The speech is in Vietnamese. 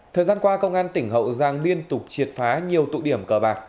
thời gian qua công an tỉnh hậu giang liên tục triệt phá nhiều tụ điểm cờ bạc